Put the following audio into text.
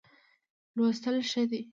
لوستل ښه دی.